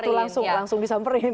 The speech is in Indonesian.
itu pernah tuh langsung disamperin